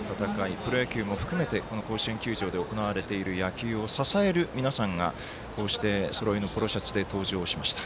プロ野球も含めてこの甲子園球場で行われている野球を支える皆さんがこうしてそろいのポロシャツで登場しました。